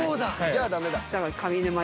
じゃあダメだ。